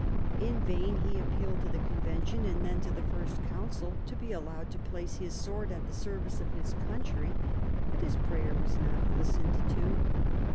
In vain he appealed to the Convention and then to the First Consul to be allowed to place his sword at the service of his country; but his prayer was not listened to.